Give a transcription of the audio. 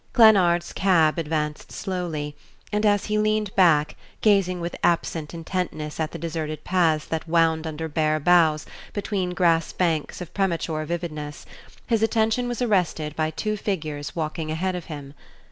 Glennard's cab advanced slowly, and as he leaned back, gazing with absent intentness at the deserted paths that wound under bare boughs between grass banks of premature vividness, his attention was arrested by two figures walking ahead of him.